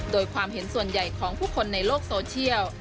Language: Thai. โดยความเห็นส่วนใหญ่ของผู้คนในโลกโซเชียล